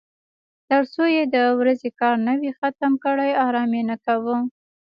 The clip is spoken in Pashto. تر څو یې د ورځې کار نه وای ختم کړی ارام یې نه کاوه.